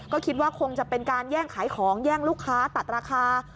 ก็คิดว่าคงจะเป็นการแย่งขายของแย่งลูกค้าตัดราคา